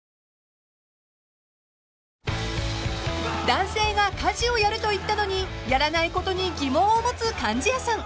［男性が「家事をやる」と言ったのにやらないことに疑問を持つ貫地谷さん］